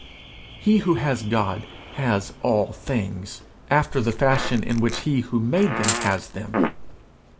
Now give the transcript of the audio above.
He who has God, has all things, after the fashion in which he who made them has them.